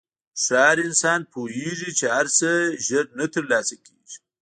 هوښیار انسان پوهېږي چې هر څه زر نه تر لاسه کېږي.